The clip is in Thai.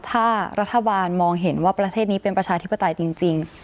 ถ้ารัฐบาลมองเห็นว่าประเทศนี้เป็นประชาธิปไตยจริง